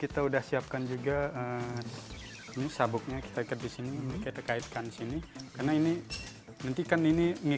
kita sudah siapkan sabuknya kita ikat di sini